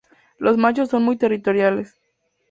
Los machos son muy territoriales.